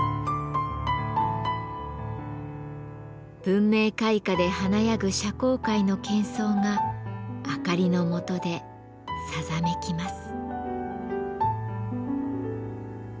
文明開化で華やぐ社交界のけん騒が明かりの下でさざめきます。